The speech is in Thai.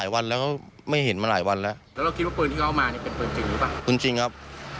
ก็ไปลงมะทึกประจำวานไว้ที่สนนแข็ม